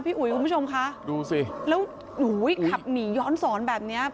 พี่อุ๋ยคุณผู้ชมคะดูสิแล้วอุ๊ยขับหนีย้อนศรแบบเนี้ย